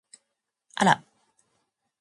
あら！